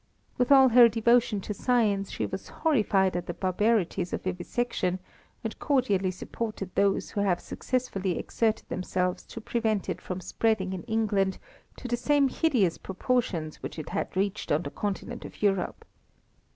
With all her devotion to science she was horrified at the barbarities of vivisection, and cordially supported those who have successfully exerted themselves to prevent it from spreading in England to the same hideous proportions which it has reached on the continent of Europe.